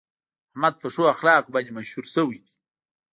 احمد په ښو اخلاقو باندې مشهور شوی دی.